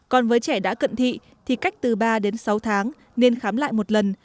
còn với trẻ đã cận thị thì cách từ ba đến sáu tháng nên khám lại một lần